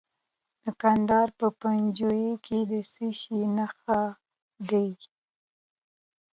د کندهار په پنجوايي کې د څه شي نښې دي؟